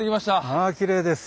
ああきれいです。